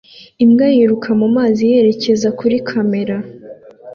Imbwa yiruka mu mazi yerekeza kuri kamera